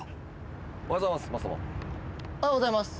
おはようございます。